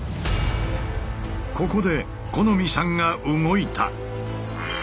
ここで木実さんが動いた。